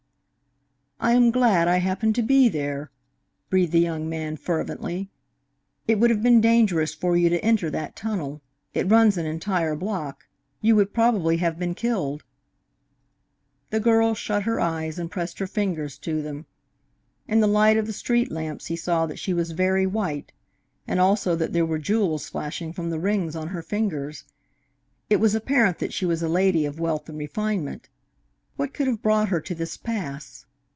"I am glad I happened to be there," breathed the young man fervently. "It would have been dangerous for you to enter that tunnel. It runs an entire block. You would probably have been killed." The girl shut her eyes and pressed her fingers to them. In the light of the street lamps, he saw that she was very white, and also that there were jewels flashing from the rings on her fingers. It was apparent that she was a lady of wealth and refinement. What could have brought her to this pass?